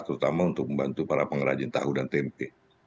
terutama untuk membantu para pengrajin tahu dan tempe